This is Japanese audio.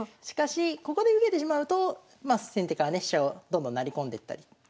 しかしここで受けてしまうと先手からね飛車をどんどん成り込んでいったり。